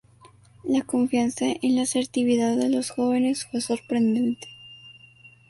La confianza en la asertividad de los jóvenes fue sorprendente.